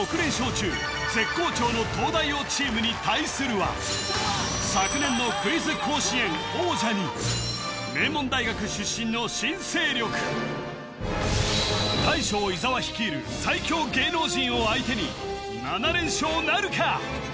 中絶好調の東大王チームに対するは昨年の名門大学出身の新勢力大将・伊沢率いる最強芸能人を相手に７連勝なるか？